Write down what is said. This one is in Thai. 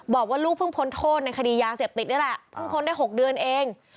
บอกว่าลูกเพิ่งพ้นโทษในคดียาเสพติดนี่แหละเพิ่งพ้นได้๖เดือนเอง